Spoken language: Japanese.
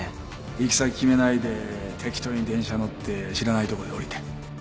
行き先決めないで適当に電車乗って知らないとこで降りて